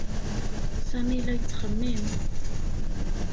Sami la yettxemmim.